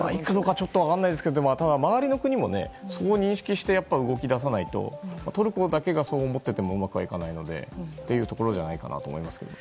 分からないですけども周りの国もそこを認識して動き出さないとトルコだけがそう思っていてもうまくはいかないのでというところじゃないかなと思います。